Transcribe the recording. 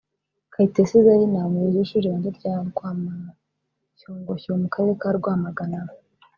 Kayitesi Zaina umuyobozi w’ishuri ribanza rya Rwamashyongoshyo mu Karere ka Rwamagana